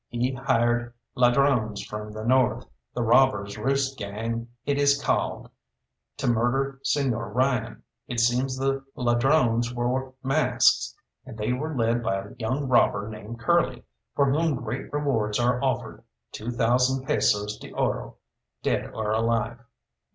He hired ladrones from the north, the Robbers' Roost Gang it is called, to murder Señor Ryan. It seems the ladrones wore masks, and they were led by a young robber named Curly, for whom great rewards are offered two thousand pesos d'oro, dead or alive."